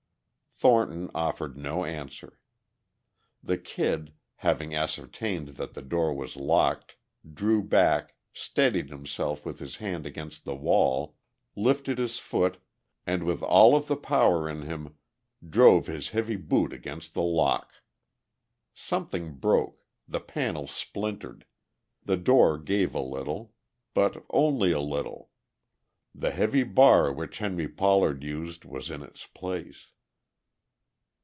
Thornton offered no answer. The Kid, having ascertained that the door was locked, drew back, steadied himself with his hand against the wall, lifted his foot and with all of the power in him drove his heavy boot against the lock. Something broke; the panel splintered; the door gave a little. But only a little; the heavy bar which Henry Pollard used was in its place.